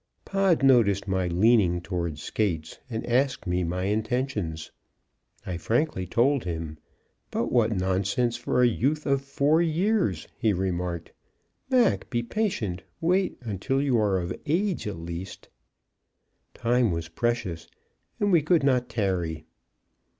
Pod noticed my leaning toward Skates, and asked me my intentions. I frankly told him. "But what nonsense for a youth of four years," he remarked. "Mac, be patient; wait until you are of age, at least." Time was precious, and we could not tarry.